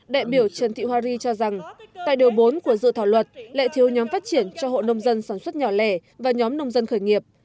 đại biểu trần thị hoa ri cho rằng tại điều bốn của dự thảo luật lệ thiếu nhóm phát triển cho hộ nông dân sản xuất nhỏ lẻ và nhóm nông dân khởi nghiệp